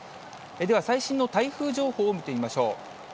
では、最新の台風情報を見てみましょう。